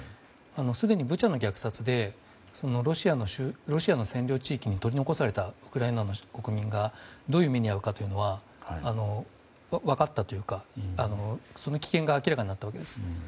すでにブチャの虐殺でロシアの占領地域に取り残されたウクライナの国民がどういう目に遭うかというのは分かったというかその危険が明らかになったわけです。